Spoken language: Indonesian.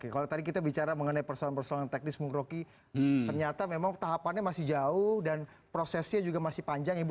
kalau tadi kita bicara mengenai persoalan persoalan teknis bung rocky ternyata memang tahapannya masih jauh dan prosesnya juga masih panjang ibu